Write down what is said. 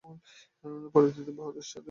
পরবর্তীতে বাহাদুর শাহ জৌনপুর দখলের চেষ্টা করে।